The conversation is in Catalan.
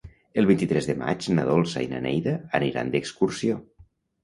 El vint-i-tres de maig na Dolça i na Neida aniran d'excursió.